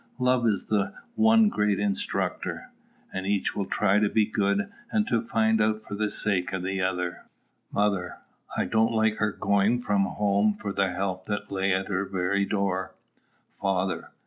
Love is the one great instructor. And each will try to be good, and to find out for the sake of the other. Mother. I don't like her going from home for the help that lay at her very door. _Father.